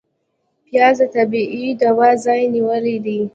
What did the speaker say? پیاز د طبعي دوا ځای نیولی دی